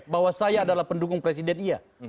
bahwa saya adalah pendukung presiden iya